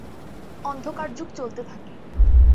অন্ধকার যুগ চলতে থাকে।